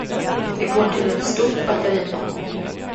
De går till ett stort batteri.